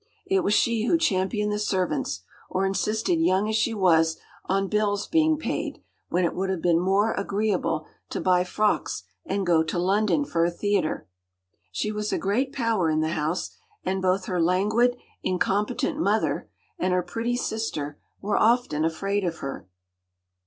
It was she who championed the servants, or insisted, young as she was, on bills being paid, when it would have been more agreeable to buy frocks and go to London for a theatre. She was a great power in the house, and both her languid, incompetent mother, and her pretty sister were often afraid of her.